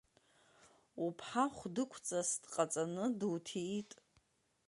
Уԥҳа хәдықәҵас дҟаҵаны дуҭиит!